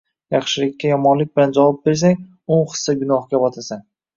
Yaxshilikka yomonlik bilan javob bersang, o’n hissa gunohga botasan.